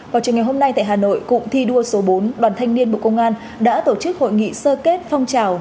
vào trường ngày hôm nay tại hà nội cụm thi đua số bốn đoàn thanh niên bộ công an đã tổ chức hội nghị sơ kết phong trào